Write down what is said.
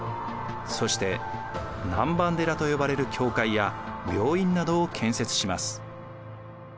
そして南蛮寺と呼ばれる教会や病院などを建設します。